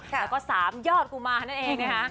แล้วก็๓ยอดกุมารนั่นเองนะคะ